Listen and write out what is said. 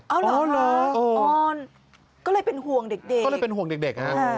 อ๋อเหรออ่อนก็เลยเป็นห่วงเด็ก